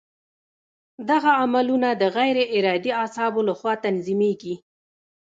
دغه عملونه د غیر ارادي اعصابو له خوا تنظیمېږي.